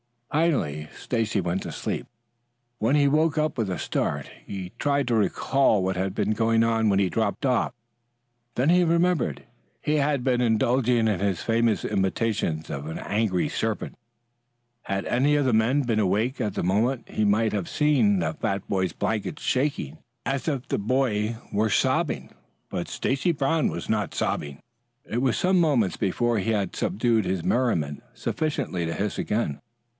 Finally Stacy went to sleep. When he woke up with a start, he tried to recall what had been going on when he dropped off. Then he remembered. He had been indulging in his famous imitation of an angry serpent. Had any of the men been awake at the moment he might have seen the fat boy's blanket shaking as if the boy were sobbing. But Stacy Brown was not sobbing. It was some moments before he had subdued his merriment sufficiently to hiss again.